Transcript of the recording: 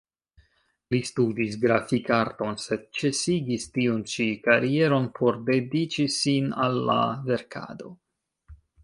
Li studis grafik-arton, sed ĉesigis tiun ĉi karieron, por dediĉi sin al la verkado.